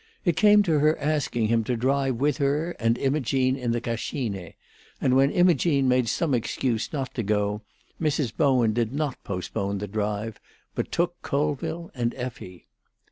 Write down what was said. It came to her asking him to drive with her and Imogene in the Cascine; and when Imogene made some excuse not to go, Mrs. Bowen did not postpone the drive, but took Colville and Effie.